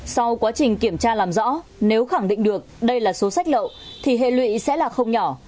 sau quá trình kiểm tra làm rõ nếu khẳng định được đây là số sách lậu thì hệ lụy sẽ là không nhỏ